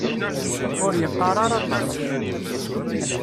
Ur yeqqar ara aṭas.